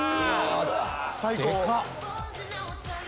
最高！